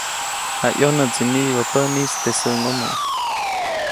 Jayʼonäʼtsi niʼibä päʼnis teʼ säʼŋomo.